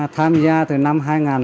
tham gia từ năm hai nghìn hai